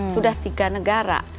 sudah tiga negara